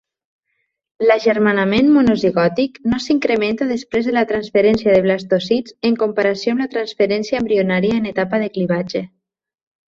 L'agermanament monozigòtic no s'incrementa després de la transferència de blastocist en comparació amb la transferència embrionària en etapa de clivatge.